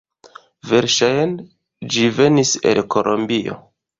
Verŝajne ĝi venis el Kolombio.